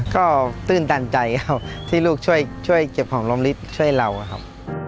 ก็ตื่นตันใจครับที่ลูกช่วยเก็บหอมลมลิฟต์ช่วยเราครับ